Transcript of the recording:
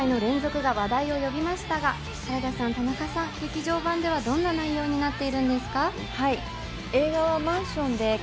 ドラマ版では衝撃展開の連続が話題を呼びましたが、原田さん、田中さん、劇場版ではどんな内容になっているんですか？